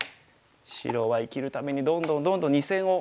白は生きるためにどんどんどんどん２線をハワなきゃいけない。